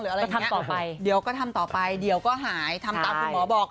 อะไรอย่างนี้ต่อไปเดี๋ยวก็ทำต่อไปเดี๋ยวก็หายทำตามคุณหมอบอก